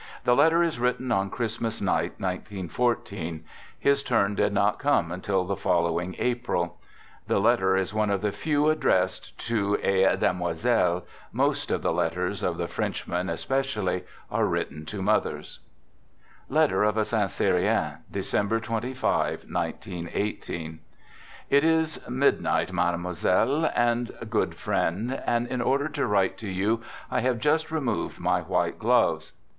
The letter is written on Christmas night, 1914. His turn did not come until the following April. The letter is one of the few addressed to a " demoiselle "; most of the letters, of the Frenchmen especially, are written to mothers: (Letter of a Saint Cyrien) December 25, 1918. It is midnight, Mademoiselle and good friend, and in order to write to you I have just removed my white gloves.